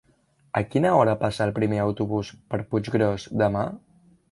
A quina hora passa el primer autobús per Puiggròs demà?